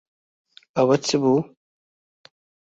ئەوە چ بوو؟